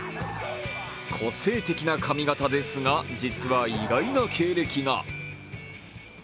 個性的な髪形ですが、実は意外な経歴が。